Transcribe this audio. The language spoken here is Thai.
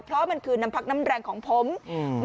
เพราะมันคือน้ำพักน้ำแรงของผมอืม